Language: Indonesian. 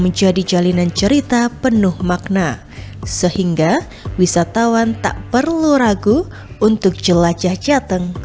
menjadi jalinan cerita penuh makna sehingga wisatawan tak perlu ragu untuk jelajah jateng